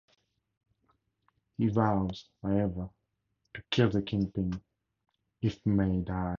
He vows, however, to kill the Kingpin if May dies.